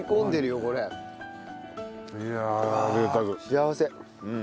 幸せ。